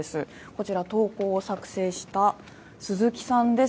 こちら、投稿を作成した鈴木さんです。